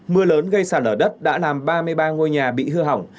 mưa lớn gây sạt lở đất đã làm ba mươi ba ngôi nhà bị hư hỏng